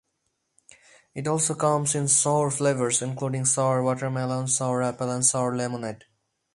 It also comes in sour flavors, including sour watermelon, sour apple, and sour lemonade.